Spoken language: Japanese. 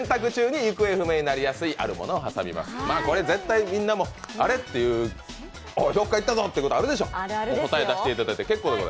これ、絶対みんなも、あれ、どっかいったぞということあるでしょう。